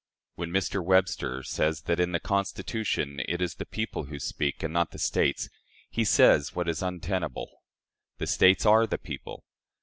When Mr. Webster says that "in the Constitution it is the people who speak, and not the States," he says what is untenable. The States are the people.